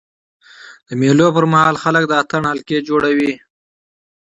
د مېلو پر مهال خلک د اتڼ حلقې جوړوي.